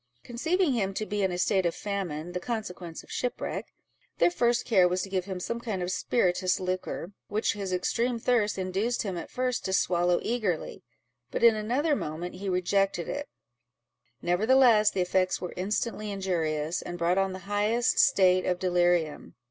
Conceiving him to be in a state of famine, the consequence of shipwreck, their first care was to give him some kind of spirituous liquor, which his extreme thirst induced him at first to swallow eagerly, but in another moment he rejected it; nevertheless, the effects were instantly injurious, and brought on the highest state of delirium.